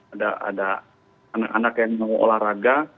ada anak anak yang mau olahraga